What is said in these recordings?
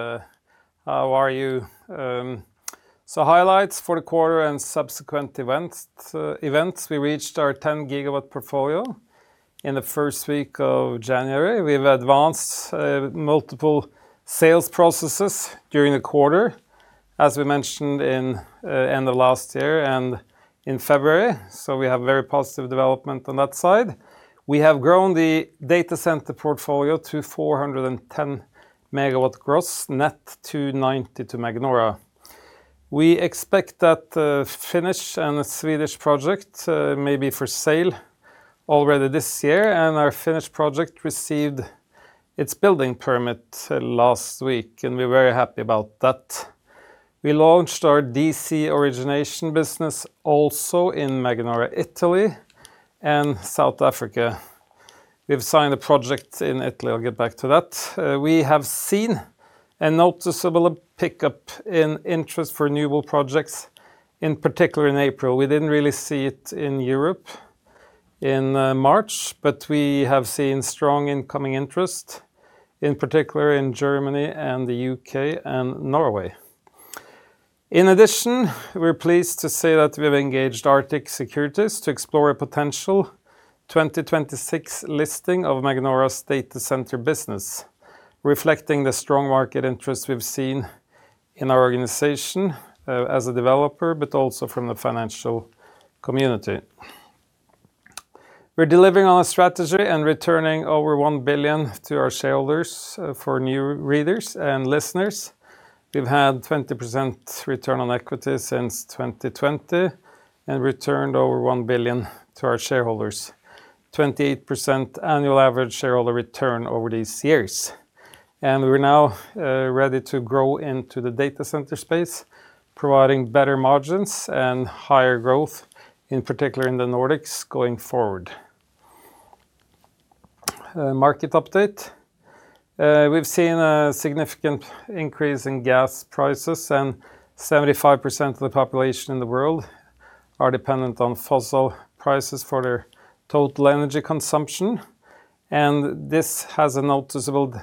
How are you? Highlights for the quarter and subsequent events. We reached our 10 GW portfolio in the 1st week of January. We've advanced multiple sales processes during the quarter, as we mentioned in end of last year and in February. We have very positive development on that side. We have grown the data center portfolio to 410 MW gross, net 290 MW to Magnora. We expect that the Finnish and the Swedish project may be for sale already this year, and our Finnish project received its building permit last week, and we're very happy about that. We launched our DC origination business also in Magnora, Italy, and South Africa. We've signed a project in Italy. I'll get back to that. We have seen a noticeable pickup in interest for renewable projects, in particular in April. We didn't really see it in Europe in March. We have seen strong incoming interest, in particular in Germany and the U.K. and Norway. In addition, we're pleased to say that we've engaged Arctic Securities to explore a potential 2026 listing of Magnora's data center business, reflecting the strong market interest we've seen in our organization as a developer, but also from the financial community. We're delivering on a strategy and returning over 1 billion to our shareholders. For new readers and listeners, we've had 20% return on equity since 2020 and returned over 1 billion to our shareholders. 28% annual average shareholder return over these years. We're now ready to grow into the data center space, providing better margins and higher growth, in particular in the Nordics going forward. Market update. We've seen a significant increase in gas prices. 75% of the population in the world are dependent on fossil prices for their total energy consumption. This has a noticeable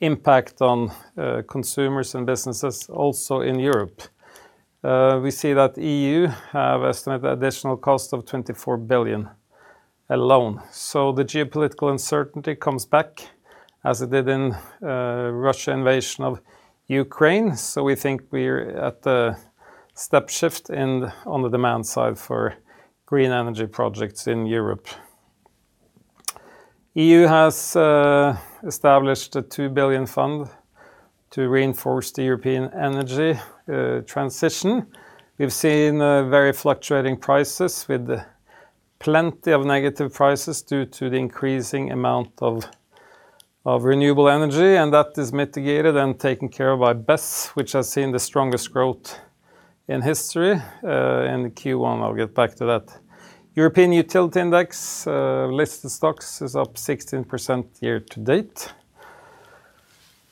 impact on consumers and businesses also in Europe. We see that EU have estimated additional cost of 24 billion alone. The geopolitical uncertainty comes back as it did in Russia invasion of Ukraine. We think we're at the step shift on the demand side for green energy projects in Europe. EU has established a 2 billion fund to reinforce the European energy transition. We've seen very fluctuating prices with plenty of negative prices due to the increasing amount of renewable energy, and that is mitigated and taken care of by BESS, which has seen the strongest growth in history in Q1. I'll get back to that. European Utility Index, listed stocks is up 16% year-to-date.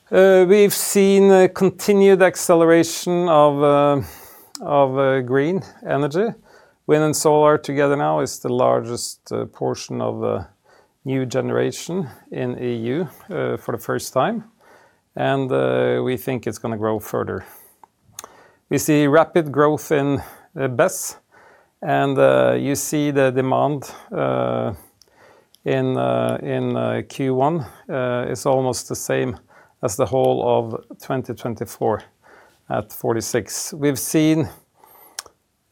We've seen a continued acceleration of green energy. Wind and solar together now is the largest portion of new generation in EU for the first time. We think it's gonna grow further. We see rapid growth in BESS. You see the demand in Q1 is almost the same as the whole of 2024 at 46. We've seen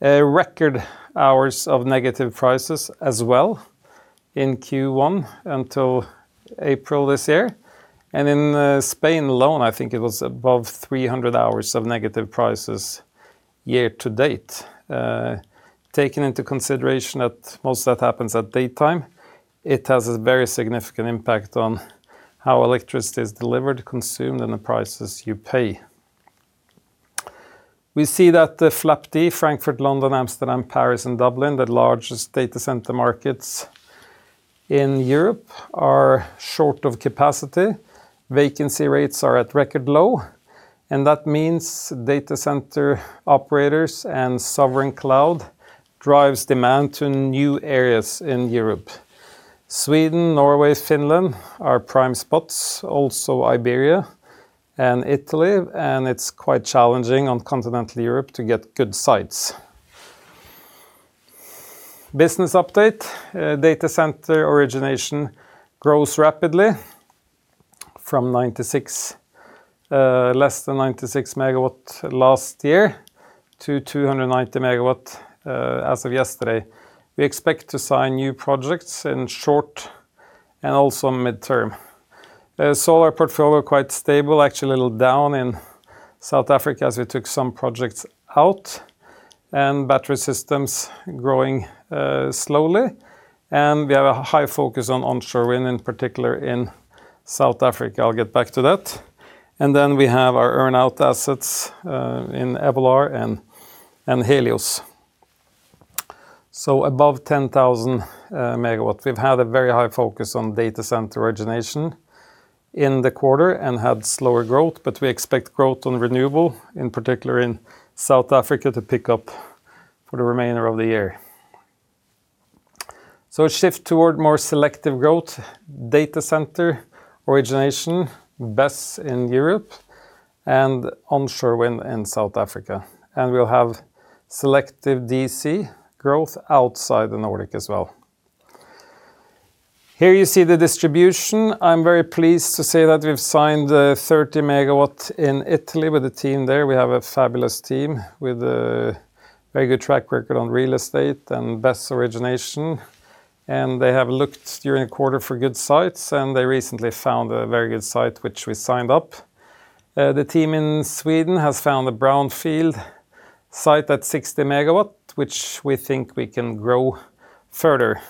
record hours of negative prices as well in Q1 until April this year. In Spain alone, I think it was above 300 hours of negative prices year-to-date. Taking into consideration that most of that happens at daytime, it has a very significant impact on how electricity is delivered, consumed, and the prices you pay. We see that the FLAP-D, Frankfurt, London, Amsterdam, Paris, and Dublin, the largest data center markets in Europe, are short of capacity. Vacancy rates are at record low, and that means data center operators and sovereign cloud drives demand to new areas in Europe. Sweden, Norway, Finland are prime spots, also Iberia and Italy, and it's quite challenging on continental Europe to get good sites. Business update. Data Center origination grows rapidly from less than 96 MW last year to 290 MW as of yesterday. We expect to sign new projects in short and also midterm. Solar portfolio quite stable, actually a little down in South Africa as we took some projects out. Battery systems growing slowly. We have a high focus on onshore wind, in particular in South Africa. I'll get back to that. We have our earn-out assets in Evolar and Helios. Above 10,000 MW. We've had a very high focus on data center origination in the quarter and had slower growth, but we expect growth on renewable, in particular in South Africa, to pick up for the remainder of the year. A shift toward more selective growth, data center origination, BESS in Europe, and onshore wind in South Africa. We'll have selective DC growth outside the Nordic as well. Here you see the distribution. I'm very pleased to say that we've signed 30 MW in Italy with the team there. We have a fabulous team with a very good track record on real estate and BESS origination. They have looked during the quarter for good sites. They recently found a very good site, which we signed up. The team in Sweden has found a brownfield site at 60 MW, which we think we can grow further.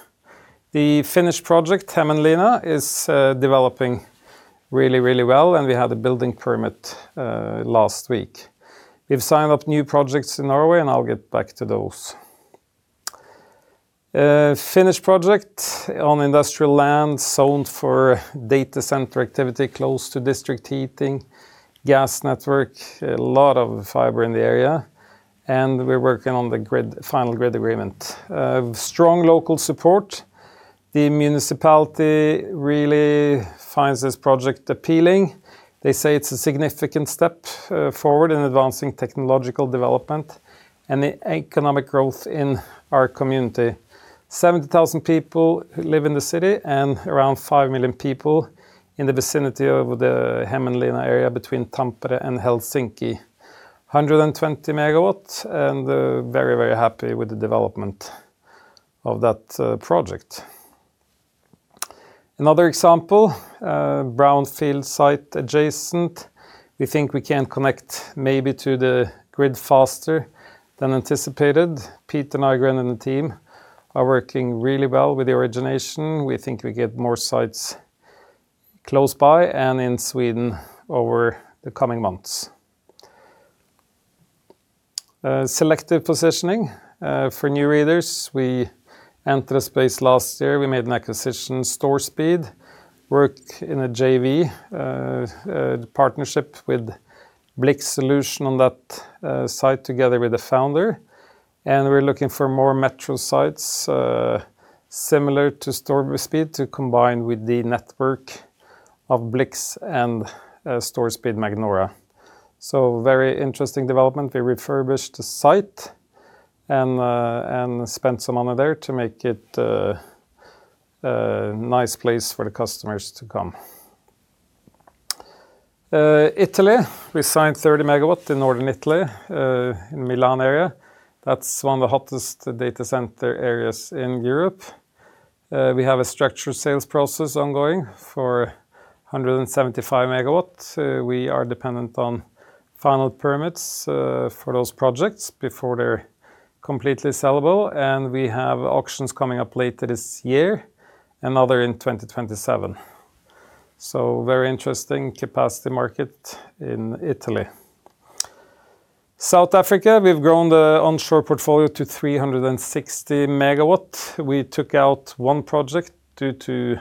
The Finnish project, Hämeenlinna, is developing really, really well. We had a building permit last week. We've signed up new projects in Norway. I'll get back to those. Finnish project on industrial land zoned for data center activity close to district heating, gas network, a lot of fiber in the area. We're working on the grid, final grid agreement. Strong local support. The municipality really finds this project appealing. They say it's a significant step forward in advancing technological development and the economic growth in our community. 70,000 people live in the city and around 5 million people in the vicinity of the Hämeenlinna area between Tampere and Helsinki. 120 MW, and very happy with the development of that project. Another example, brownfield site adjacent. We think we can connect maybe to the grid faster than anticipated. Peter Nygren and the team are working really well with the origination. We think we get more sites close by and in Sweden over the coming months. Selective positioning. For new readers, we entered a space last year. We made an acquisition, Storespeed, work in a JV partnership with Blix Solutions on that site together with the founder. We're looking for more metro sites similar to Storespeed to combine with the network of Blix and Storespeed Magnora. Very interesting development. We refurbished the site and spent some money there to make it a nice place for the customers to come. Italy, we signed 30 MW in northern Italy in Milan area. That's one of the hottest data center areas in Europe. We have a structured sales process ongoing for 175 MW. We are dependent on final permits for those projects before they're completely sellable, and we have auctions coming up later this year, another in 2027. Very interesting capacity market in Italy. South Africa, we've grown the onshore portfolio to 360 MW. We took out one project due to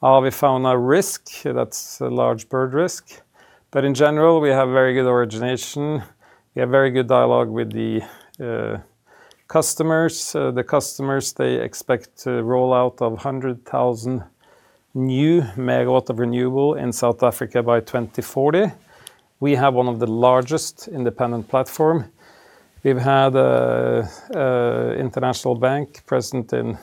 how we found a risk. That's a large bird risk. In general, we have very good origination. We have very good dialogue with the customers. The customers, they expect a rollout of 100,000 new MW of renewable in South Africa by 2040. We have one of the largest independent platform. We've had a international bank present in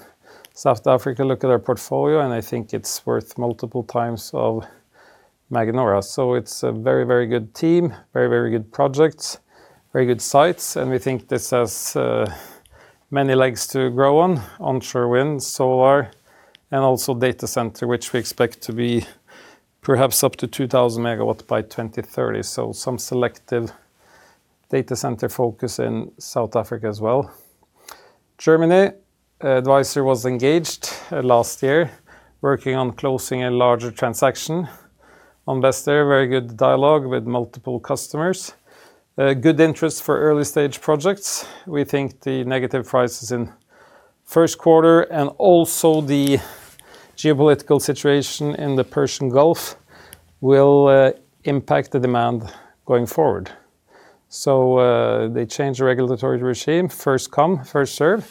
South Africa look at our portfolio, and I think it's worth multiple times of Magnora. It's a very, very good team, very, very good projects, very good sites, and we think this has many legs to grow on, onshore wind, solar, and also data center, which we expect to be perhaps up to 2,000 MW by 2030. Some selective data center focus in South Africa as well. Germany, advisor was engaged last year, working on closing a larger transaction. On BESS there, very good dialogue with multiple customers. Good interest for early-stage projects. We think the negative prices in first quarter and also the geopolitical situation in the Persian Gulf will impact the demand going forward. They changed the regulatory regime, first come, first served.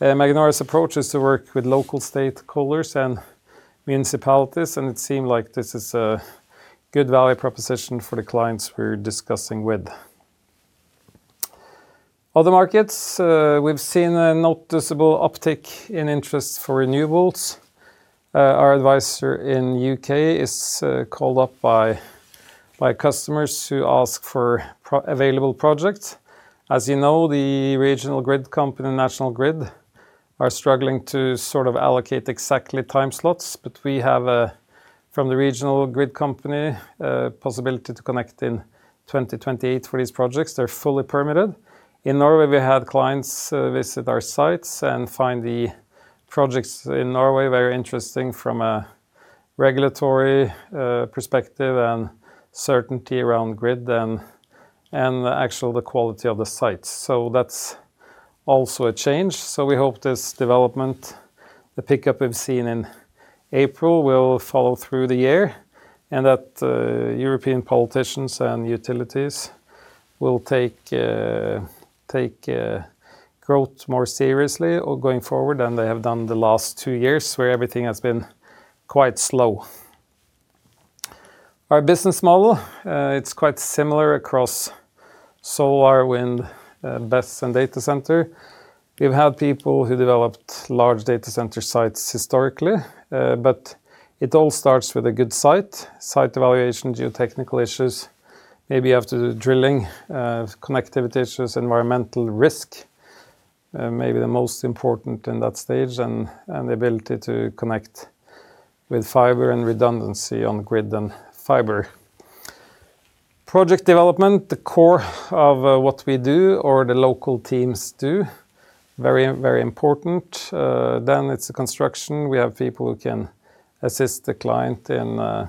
Magnora's approach is to work with local stakeholders and municipalities, and it seem like this is a good value proposition for the clients we're discussing with. Other markets, we've seen a noticeable uptick in interest for renewables. Our advisor in the U.K. is called up by customers who ask for available projects. As you know, the regional grid company and national grid are struggling to sort of allocate exactly time slots. We have, from the regional grid company, a possibility to connect in 2028 for these projects. They're fully permitted. In Norway, we had clients visit our sites and find the projects in Norway very interesting from a regulatory perspective and certainty around grid and actual the quality of the sites. That's also a change. We hope this development, the pickup we've seen in April, will follow through the year and that European politicians and utilities will take growth more seriously or going forward than they have done the last two years where everything has been quite slow. Our business model, it's quite similar across solar, wind, BESS, and data center. We've had people who developed large data center sites historically, but it all starts with a good site evaluation, geotechnical issues. Maybe you have to do drilling, connectivity issues, environmental risk, maybe the most important in that stage and the ability to connect with fiber and redundancy on grid and fiber. Project development, the core of what we do or the local teams do, very important. It's the construction. We have people who can assist the client in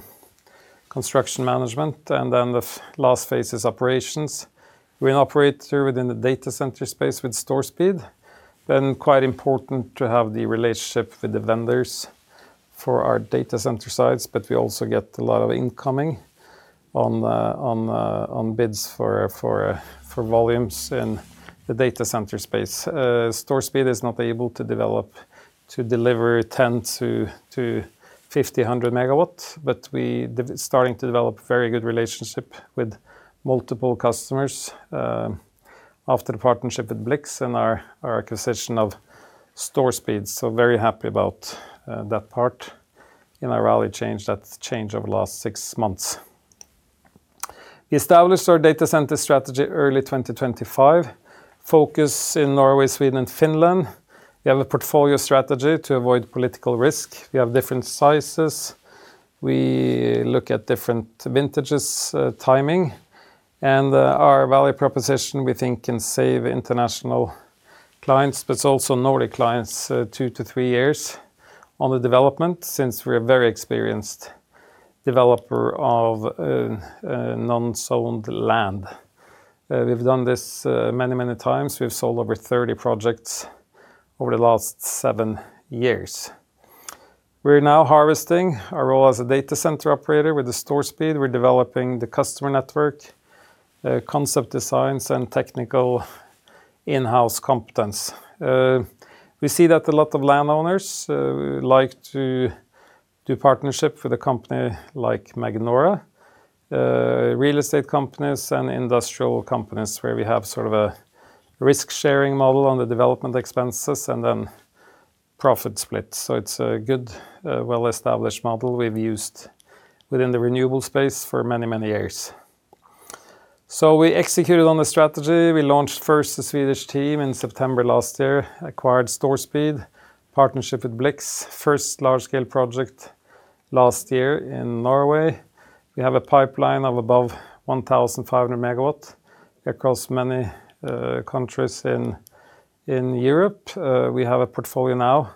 construction management, and then the last phase is operations. We operate through within the data center space with Storespeed. Quite important to have the relationship with the vendors for our data center sites, but we also get a lot of incoming on bids for volumes in the data center space. Storespeed is not able to deliver 10 MW to 50 MW, 100 MW, starting to develop very good relationship with multiple customers after the partnership with Blix and our acquisition of Storespeed. Very happy about that part in our change over the last six months. Established our data center strategy early 2025. Focus in Norway, Sweden, and Finland. We have a portfolio strategy to avoid political risk. We have different sizes. We look at different vintages, timing. Our value proposition we think can save international clients, it's also Nordic clients, two to three years on the development since we're a very experienced developer of non-zoned land. We've done this many times. We've sold over 30 projects over the last seven years. We're now harvesting our role as a data center operator with the Storespeed. We're developing the customer network, concept designs, and technical in-house competence. We see that a lot of landowners like to do partnership with a company like Magnora, real estate companies and industrial companies where we have sort of a risk-sharing model on the development expenses and then profit split. It's a good, well-established model we've used within the renewable space for many, many years. We executed on the strategy. We launched first the Swedish team in September last year, acquired Storespeed, partnership with Blix, first large-scale project last year in Norway. We have a pipeline of above 1,500 MW across many countries in Europe. We have a portfolio now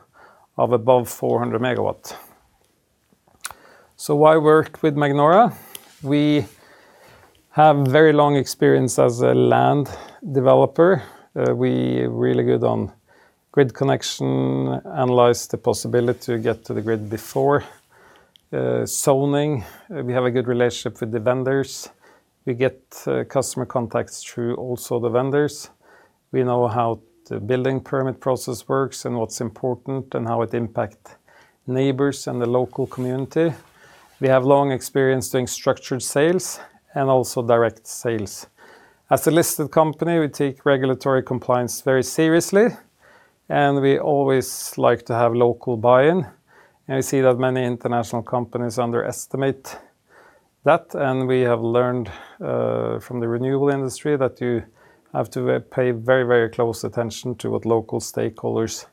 of above 400 MW. Why work with Magnora? We have very long experience as a land developer. We really good on grid connection, analyze the possibility to get to the grid before zoning. We have a good relationship with the vendors. We get customer contacts through also the vendors. We know how the building permit process works and what's important and how it impact neighbors and the local community. We have long experience doing structured sales and also direct sales. As a listed company, we take regulatory compliance very seriously, and we always like to have local buy-in. We see that many international companies underestimate that, and we have learned from the renewable industry that you have to pay very, very close attention to what local stakeholders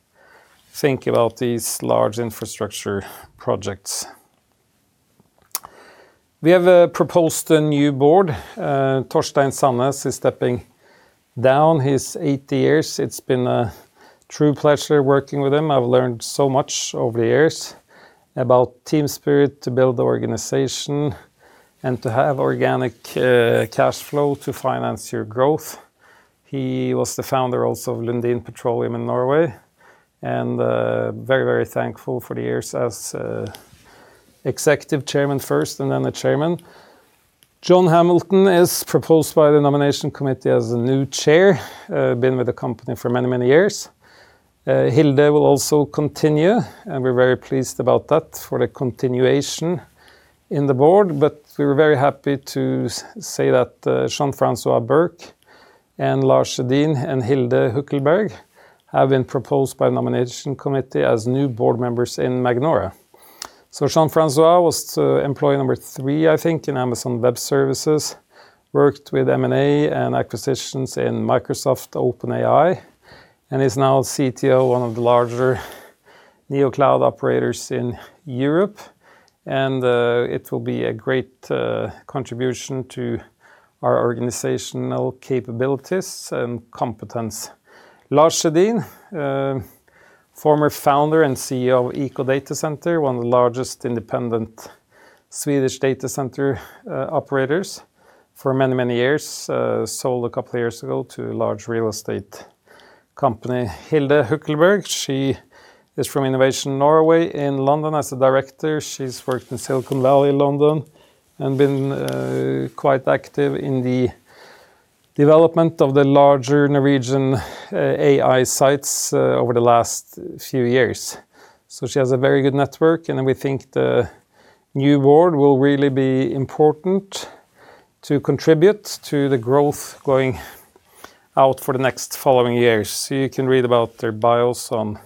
think about these large infrastructure projects. We have proposed a new board. Torstein Sanness is stepping down. He's 80 years. It's been a true pleasure working with him. I've learned so much over the years about team spirit to build the organization and to have organic cash flow to finance your growth. He was the founder also of Lundin Petroleum in Norway, and very thankful for the years as Executive Chairman first and then the Chairman. John Hamilton is proposed by the nomination committee as the new Chair. been with the company for many years. Hilde will also continue, and we're very pleased about that for the continuation in the board. We're very happy to say that Jean-François Berche and Lars Schedin and Hilde Hukkelberg have been proposed by nomination committee as new Board Members in Magnora. Jean-François Berche was employee number three, I think, in Amazon Web Services, worked with M&A and acquisitions in Microsoft, OpenAI, is now CTO of one of the larger neo-cloud operators in Europe. It will be a great contribution to our organizational capabilities and competence. Lars Schedin, former Founder and CEO of EcoDataCenter, one of the largest independent Swedish data center operators for many, many years, sold a couple of years ago to a large real estate company. Hilde Hukkelberg, she is from Innovation Norway in London as a Director. She's worked in Silicon Valley, London, and been quite active in the development of the larger Norwegian AI sites over the last few years. She has a very good network, and we think the new board will really be important to contribute to the growth going out for the next following years. You can read about their bios on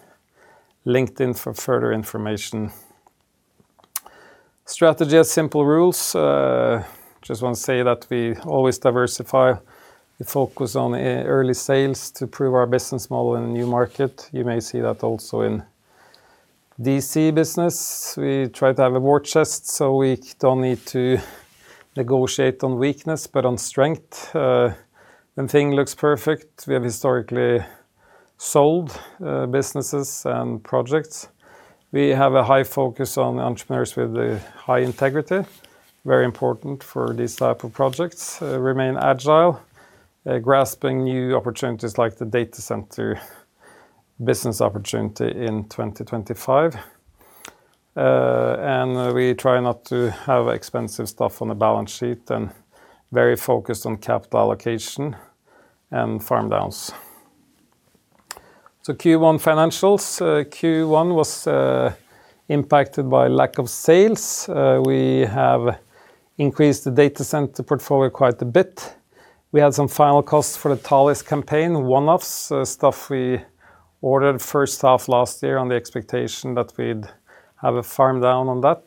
LinkedIn for further information. Strategy as simple rules. Just want to say that we always diversify. We focus on early sales to prove our business model in a new market. You may see that also in DC business. We try to have a war chest, so we don't need to negotiate on weakness, but on strength. When thing looks perfect, we have historically sold businesses and projects. We have a high focus on entrepreneurs with the high integrity, very important for these type of projects. Remain agile, grasping new opportunities like the data center business opportunity in 2025. We try not to have expensive stuff on the balance sheet and very focused on capital allocation and farm downs. Q1 financials. Q1 was impacted by lack of sales. We have increased the data center portfolio quite a bit. We had some final costs for the Talisk campaign, one-offs, stuff we ordered first half last year on the expectation that we'd have a farm down on that.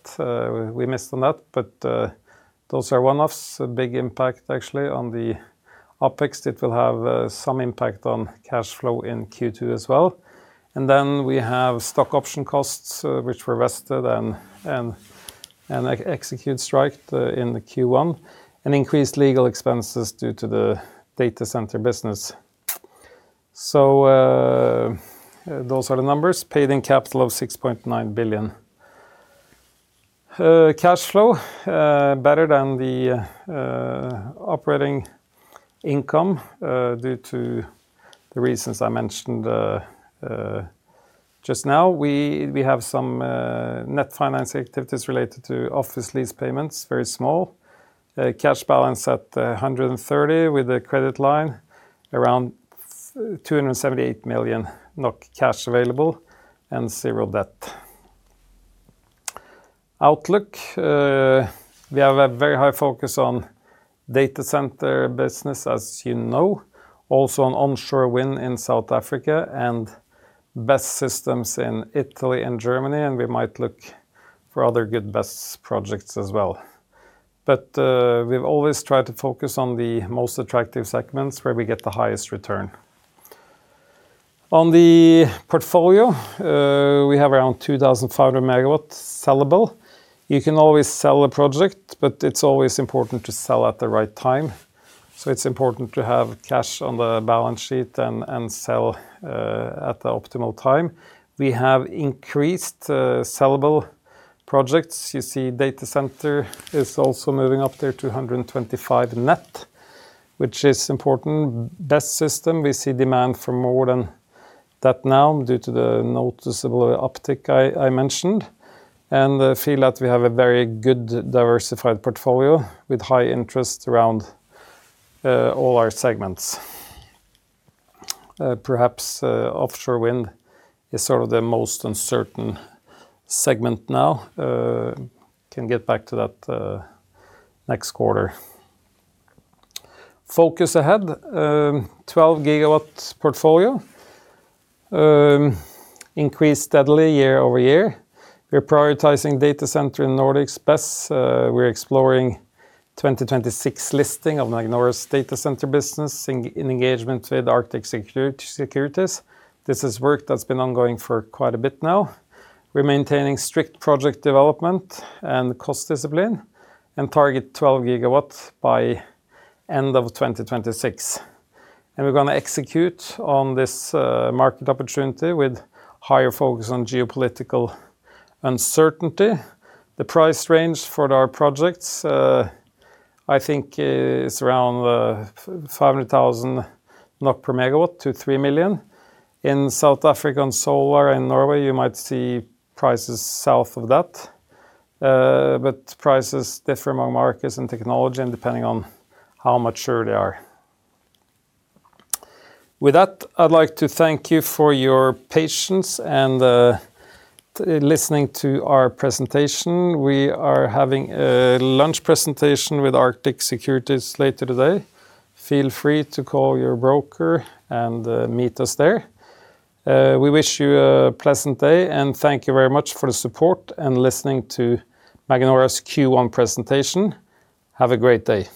We missed on that, but those are one-offs. A big impact actually on the OpEx. It will have some impact on cash flow in Q2 as well. We have stock option costs which were vested and executed strike in Q1, and increased legal expenses due to the data center business. Those are the numbers. Paid-in capital of 6.9 billion. Cash flow better than the operating income due to the reasons I mentioned just now. We have some net finance activities related to office lease payments, very small. Cash balance at 130 with a credit line around 278 million NOK cash available and zero debt. Outlook. We have a very high focus on data center business, as you know. Also, an onshore wind in South Africa and BESS systems in Italy and Germany, we might look for other good BESS projects as well. We've always tried to focus on the most attractive segments where we get the highest return. On the portfolio, we have around 2,500 MW sellable. You can always sell a project, but it's always important to sell at the right time. It's important to have cash on the balance sheet and sell at the optimal time. We have increased sellable projects. You see data center is also moving up to 225 net, which is important. BESS system, we see demand for more than that now due to the noticeable uptick I mentioned. I feel that we have a very good diversified portfolio with high interest around all our segments. Perhaps offshore wind is sort of the most uncertain segment now. Can get back to that next quarter. Focus ahead. 12 GW portfolio increased steadily year-over-year. We're prioritizing data center in Nordics BESS. We're exploring 2026 listing of Magnora's data center business in engagement with Arctic Securities. This is work that's been ongoing for quite a bit now. We're maintaining strict project development and cost discipline and target 12 GW by end of 2026. We're gonna execute on this market opportunity with higher focus on geopolitical uncertainty. The price range for our projects, I think is around 500,000 NOK per megawatt to 3 million. In South African solar and Norway, you might see prices south of that. Prices differ among markets and technology and depending on how mature they are. With that, I'd like to thank you for your patience and listening to our presentation. We are having a lunch presentation with Arctic Securities later today. Feel free to call your broker and meet us there. We wish you a pleasant day, and thank you very much for the support and listening to Magnora's Q1 presentation. Have a great day.